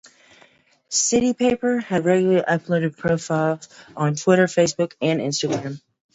"City Paper" had regularly updated profiles on Twitter, Facebook and Instagram.